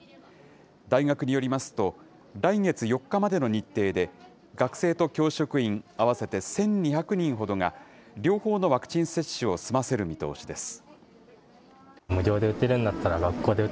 大学によりますと、来月４日までの日程で、学生と教職員合わせて１２００人ほどが、両方のワクチン接種を済ませる見通しです。